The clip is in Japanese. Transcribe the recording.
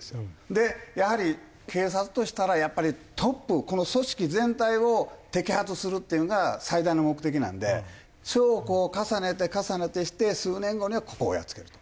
でやはり警察としたらトップこの組織全体を摘発するっていうのが最大の目的なんで証拠を重ねて重ねてして数年後にはここをやっつけると。